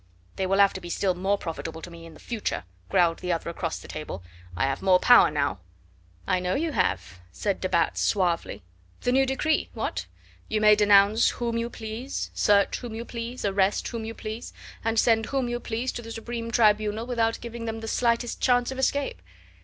"They will have to be still more profitable to me in the future," growled the other across the table. "I have more power now." "I know you have," said de Batz suavely. "The new decree? What? You may denounce whom you please, search whom you please, arrest whom you please, and send whom you please to the Supreme Tribunal without giving them the slightest chance of escape."